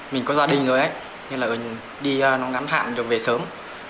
mình có gia đình rồi đi ngắn hạn rồi về sớm